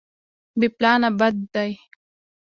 بې پلانه بد دی.